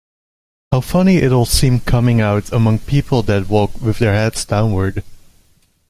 How funny it’ll seem coming out among people that walk with their heads downward!